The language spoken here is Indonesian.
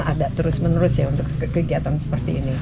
ada terus menerus ya untuk kegiatan seperti ini